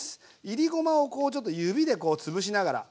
いりごまをこうちょっと指で潰しながら。